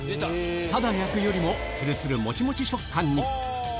ただ焼くよりも、つるつるもちもち食感に。